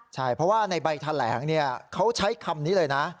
ใช่เพราะว่าในใบแถลงเขาใช้คำนี้เลยนะ